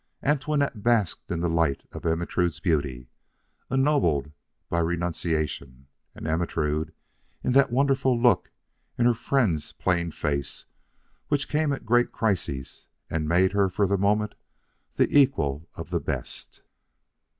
Antoinette basked in the light of Ermentrude's beauty ennobled by renunciation, and Ermentrude in that wonderful look in her friend's plain face which came at great crises and made her for the moment the equal of the best.